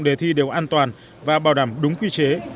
đề thi đều an toàn và bảo đảm đúng quy chế